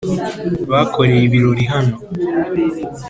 Bakoreye ibirori hano